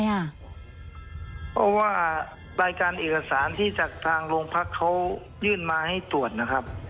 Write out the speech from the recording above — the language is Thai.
เพราะว่ารายการเอกสารที่จากทางโรงพักเขายื่นมาให้ตรวจนะครับ